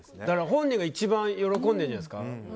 本人が一番喜んでるんじゃないですか。